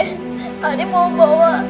kak putih mau bawa